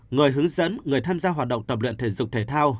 người hướng dẫn người tham gia hoạt động tập luyện thể dục thể thao